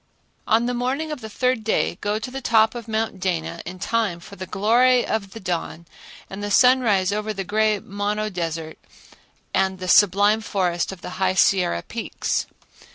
On the morning of the third day go to the top of Mount Dana in time for the glory of the dawn and the sunrise over the gray Mono Desert and the sublime forest of High Sierra peaks.